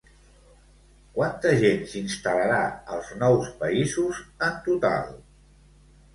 Quanta gent s'instal·larà als nous països en total?